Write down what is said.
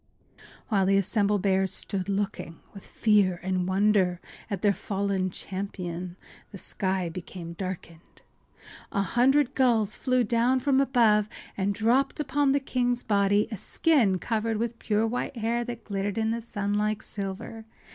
While the assembled bears stood looking with fear and wonder at their fallen champion the sky became darkened. An hundred gulls flew down from above and dripped upon the king’s body a skin covered with pure white hair that glittered in the sun like silver.